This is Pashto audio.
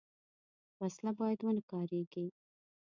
وسله باید ونهکارېږي